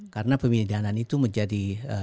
karena pemindahan itu menjadi